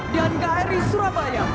dan kri surabaya